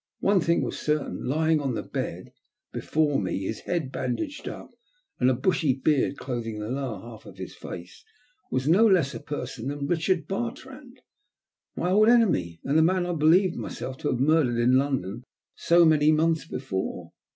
One thing was certain, lying on the bed before me, his head bandaged up, and a bushy beard clothing the lower half of his face, . was no less a person than Richard Bartrand—my old enemy and the man I believed myself to have murdered in London so many months before.